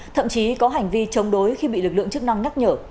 thậm chí có hành vi chống đối khi bị lực lượng chức năng nhắc nhở